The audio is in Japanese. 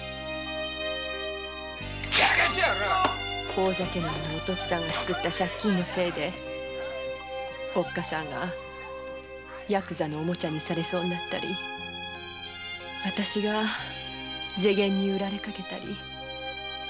大酒飲みのお父っつぁんがつくった借金のせいでおっかさんがヤクザのオモチャにされそうになったりわたしが女衒に売られかけたり。